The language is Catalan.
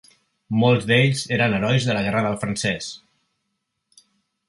Molts d'ells eren herois de la Guerra del francès.